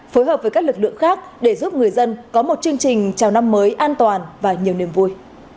phối hợp với các lực lượng khác để giúp người dân có một chương trình chào năm mới an toàn và nhiều niềm vui